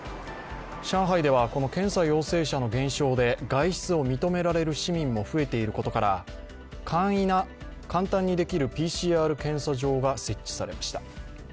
上海では、この検査陽性者の減少で外出を認められる市民が増えていることから、簡単にできるＰＣＲ検査場が設置されました。